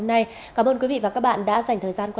nhiệt độ cao nhất đau xanh nắng mưa